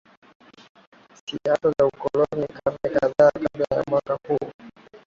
Siasa na Ukoloni Karne kadhaa kabla ya mwaka huu